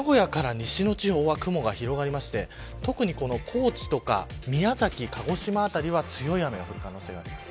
名古屋から西の地方は雲が広がりまして特にこの高知とか宮崎、鹿児島辺りは強い雨が降る可能性があります。